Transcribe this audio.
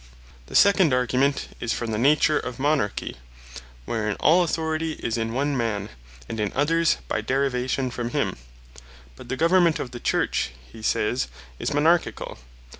The second argument, is from the nature of Monarchy; wherein all Authority is in one Man, and in others by derivation from him: But the Government of the Church, he says, is Monarchicall.